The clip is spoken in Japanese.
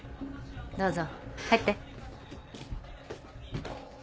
どうぞ入って。